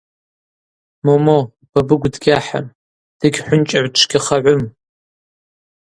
Момо, Бабыгв дгьахӏым, дыгьхӏвынчӏагӏв-чвгьахагӏвым.